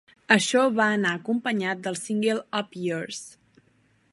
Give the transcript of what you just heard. Això va anar acompanyat del single Up Yours!